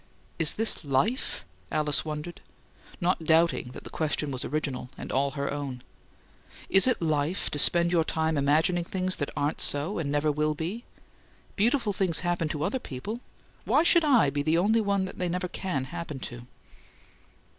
"Is this LIFE?" Alice wondered, not doubting that the question was original and all her own. "Is it life to spend your time imagining things that aren't so, and never will be? Beautiful things happen to other people; why should I be the only one they never CAN happen to?"